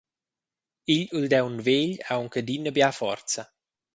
Igl uldaun vegl ha aunc adina bia forza.